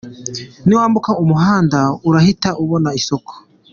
Niwambuka umuhanda urahita ubona isoko.